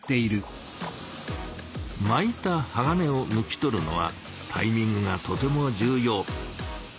巻いた鋼を抜き取るのはタイミングがとても重要。